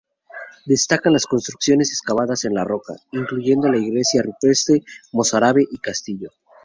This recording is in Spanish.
Destacan las construcciones excavadas en la roca, incluyendo una iglesia rupestre mozárabe y castillo.